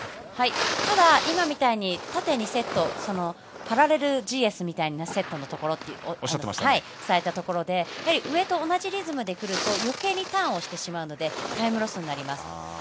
今みたいな縦にセットパラレルＧＳみたいなセットをされたところで上と同じリズムでくると余計にターンをしてしまうのでタイムロスになります。